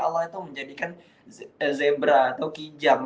allah itu menjadikan zebra atau kijang